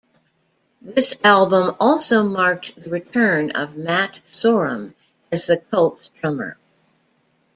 This album also marked the return of Matt Sorum as The Cult's drummer.